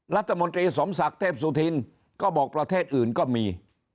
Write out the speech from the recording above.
รัฐมนตรีสมศักดิ์เทพสุธินก็บอกประเทศอื่นก็มี